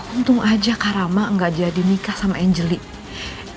untung aja karama gak jadi nikah sama angelie